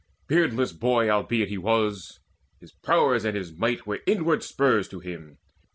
Beardless boy albeit he was, His prowess and his might were inward spurs To him.